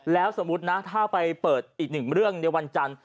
แล้วสมมุตินะถ้าไปเปิดอีกหนึ่งเรื่องในวันจันทร์